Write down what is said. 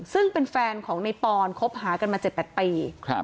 ซึ่งเป็นแฟนของนายปอล์ฟคบหากันมาเจ็ดแปดปี